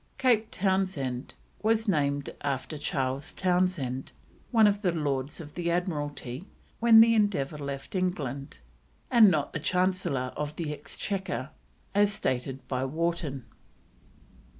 Cape Townshend was named after Charles Townshend, one of the Lords of the Admiralty when the Endeavour left England, and not the Chancellor of the Exchequer, as stated by Wharton.